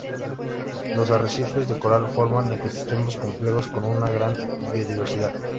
Los arrecifes de coral forman ecosistemas complejos, con una gran biodiversidad.